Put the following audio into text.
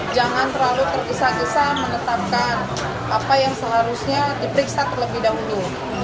jangan terlalu tergesa gesa menetapkan apa yang seharusnya diperiksa terlebih dahulu